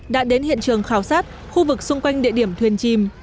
đã đến hiện trường khảo sát khu vực xung quanh địa điểm thuyền chìm